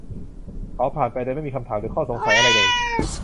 เขาผ่านไปโดยไม่มีคำถามหรืออข้อสงสัยอะไรเลย